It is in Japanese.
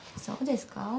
そうですか？